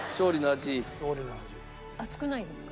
熱くないんですか？